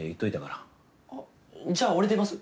あっじゃあ俺出ます。